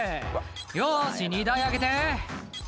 「よし荷台上げて」